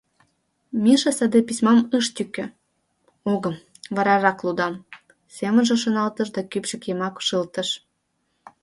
Миша саде письмам ыш тӱкӧ: «Огым, варарак лудам», — семынже шоналтыш да кӱпчык йымак шылтыш.